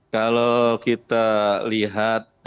kalau kita lihat